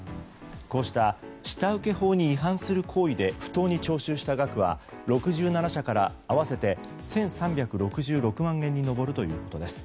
こうした下請法に違反する行為で不当に徴収した額は６７社から合わせて１３６６万円に上るということです。